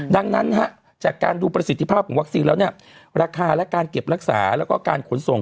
ดังนั้นจากการดูประสิทธิภาพของวัคซีนแล้วเนี่ยราคาและการเก็บรักษาแล้วก็การขนส่ง